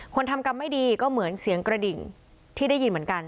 ทำกรรมไม่ดีก็เหมือนเสียงกระดิ่งที่ได้ยินเหมือนกัน